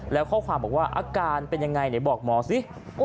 แล้วข้อความบอกว่าอาการเป็นยังไงไหนบอกหมอสิ